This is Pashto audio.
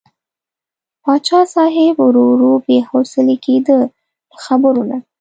پاچا صاحب ورو ورو بې حوصلې کېده له خبرو نه.